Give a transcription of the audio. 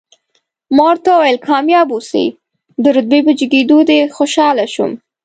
ما ورته وویل، کامیاب اوسئ، د رتبې په جګېدو دې خوشاله شوم.